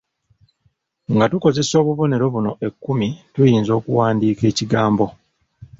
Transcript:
Nga tukozesa obubonero buno ekkumi tuyinza okuwandiika ekigambo.